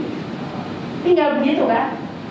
ini nggak begitu kan